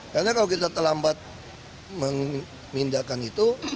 karena kalau kita terlambat memindahkan itu